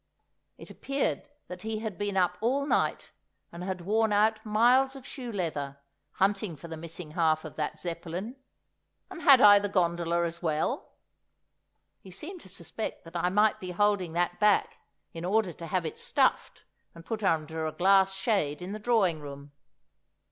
It appeared that he had been up all night, and had worn out miles of shoe leather, hunting for the missing half of that Zeppelin; and had I the gondola as well? He seemed to suspect that I might be holding that back in order to have it stuffed and put under a glass shade in the drawing room.